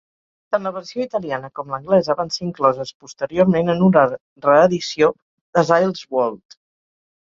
Tant la versió italiana com l'anglesa van ser incloses posteriorment en una reedició d'"Asile's World".